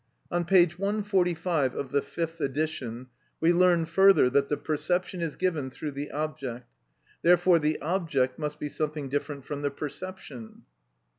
On p. 145 of the fifth edition, we learn further that the perception is given through the object; therefore the object must be something different from the perception.